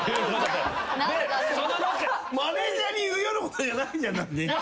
マネージャーに言うようなことじゃないじゃん。